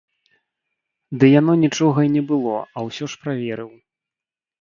Ды яно нічога і не было, а ўсё ж праверыў.